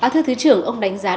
thưa thư trưởng ông đánh giá